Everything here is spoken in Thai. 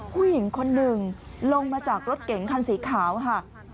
ผู้หญิงคนหนึ่งลงมาจากรถเก๋งคันสีขาวค่ะ